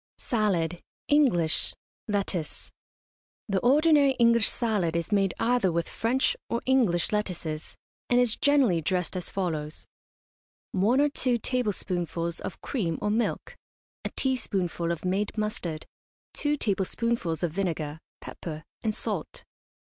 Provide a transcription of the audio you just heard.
SALAD, ENGLISH, LETTUCE. The ordinary English salad is made either with French or English lettuces, and is generally dressed as follows: One or two tablespoonfuls of cream or milk, a teaspoonful of made mustard, two tablespoonfuls of vinegar, pepper, and salt.